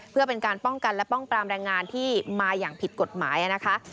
เพื่อเป็นการป้องกันและป้องปรามแรงงานที่มาอย่างผิดกฎหมายนะคะ